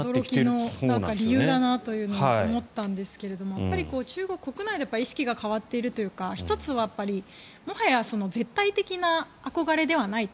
驚きの理由だなというのを思ったんですけど中国国内で意識が変わっているというか１つは絶対的な憧れではないと。